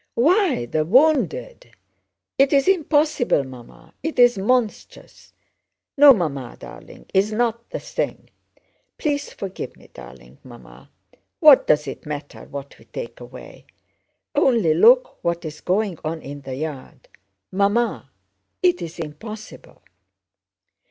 "Why, the wounded! It's impossible, Mamma. It's monstrous!... No, Mamma darling, it's not the thing. Please forgive me, darling.... Mamma, what does it matter what we take away? Only look what is going on in the yard... Mamma!... It's impossible!"